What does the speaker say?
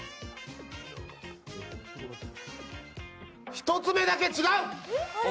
１つ目だけ違う！